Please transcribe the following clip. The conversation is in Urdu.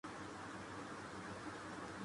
رہ جاتی ہے۔